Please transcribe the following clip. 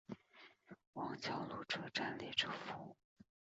王桥路车站列车服务。